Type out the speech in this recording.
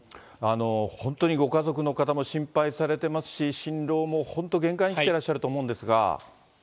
本当にご家族の方も心配されてますし、心労も本当、限界にきてらっしゃると思うんですが。